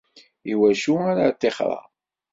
Iwacu ara ṭṭixreɣ?